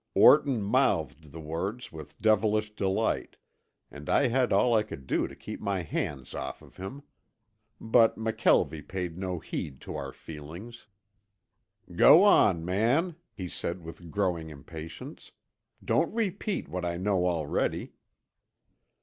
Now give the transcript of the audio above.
'" Orton mouthed the words with devilish delight and I had all I could do to keep my hands off of him. But McKelvie paid no heed to our feelings. "Go on, man," he said with growing impatience. "Don't repeat what I know already."